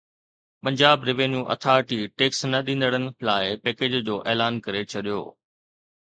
Punjab revenue authority tax نه ڏيندڙن لاءِ پيڪيج جو اعلان ڪري ڇڏيو